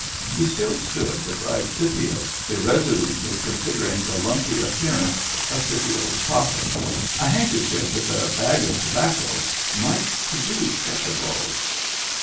He still stood beside Scipio, irresolutely, considering the lumpy ap pearance of Scipio's pocket. A handkerchief with a bag of tobacco might produce such a bulge.